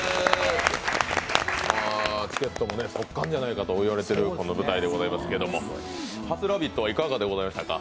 チケットも即完ではないかといわれている舞台ですが初「ラヴィット！」はいかがでございましたか？